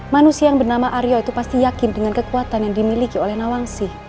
manusia yang bernama aryo itu pasti yakin dengan kekuatan yang dimiliki oleh nawangsi